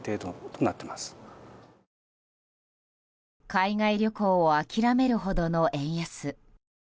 海外旅行を諦めるほどの円安。